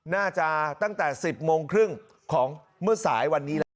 น่าจะตั้งแต่๑๐โมงครึ่งของเมื่อสายวันนี้แล้ว